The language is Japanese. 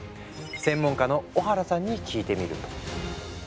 専門家の小原さんに聞いてみると。